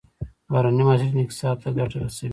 بهرني محصلین اقتصاد ته ګټه رسوي.